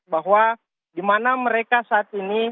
bahwa di mana mereka saat ini